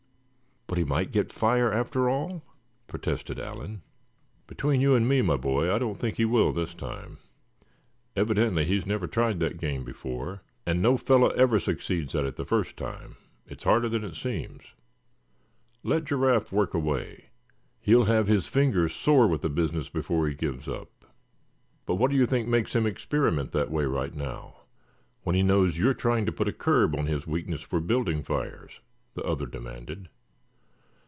"But he might get fire after all?" protested Allan. "Between you and me, my boy, I don't think he will this time. Evidently he's never tried that game before; and no fellow ever succeeds at it the first time. It's harder than it seems. Let Giraffe work away; he'll have his fingers sore with the business before he gives up." "But what do you think makes him experiment that way right now, when he knows you're trying to put a curb on his weakness for building fires?" the other demanded.